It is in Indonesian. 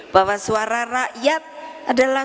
bahwa suara rakyat adalah